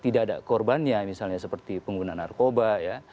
tidak ada korbannya misalnya seperti pengguna narkoba ya